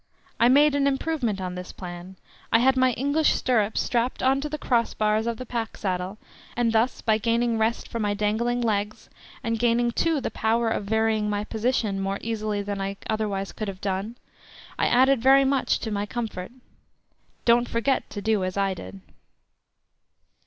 I made an improvement on this plan. I had my English stirrups strapped on to the cross bars of the pack saddle, and thus by gaining rest for my dangling legs, and gaining too the power of varying my position more easily than I could otherwise have done, I added very much to my comfort. Don't forget to do as I did.